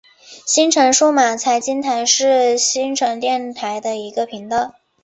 新城数码财经台是新城电台的一个频道。